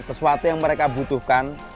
sesuatu yang mereka butuhkan